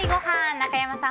中山さん